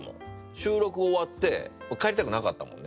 収録終わって帰りたくなかったもんね。